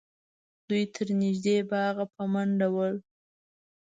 دوی تر نږدې باغه په منډه ول